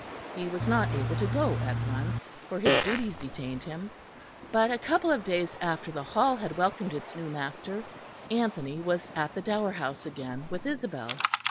He was not able to go at once, for his duties detained him; but a couple of days after the Hall had welcomed its new master, Anthony was at the Dower House again with Isabel.